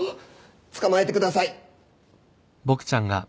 捕まえてください。